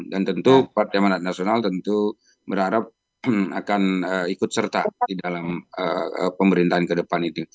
dan tentu partai manasional tentu berharap akan ikut serta di dalam pemerintahan ke depan itu